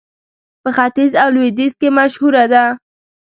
په ختيځ او لوېديځ کې مشهوره ده.